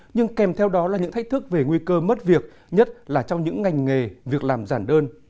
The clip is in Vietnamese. nhưng kèm theo đó là những thách thức về nguy cơ mất việc nhất là trong những ngành nghề việc làm giản đơn